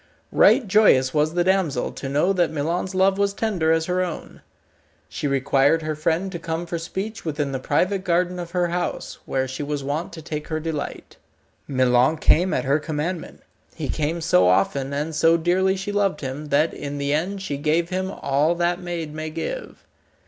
Right joyous was the damsel to know that Milon's love was tender as her own. She required her friend to come for speech within the private garden of her house, where she was wont to take her delight. Milon came at her commandment. He came so often, and so dearly she loved him, that in the end she gave him all that maid may give.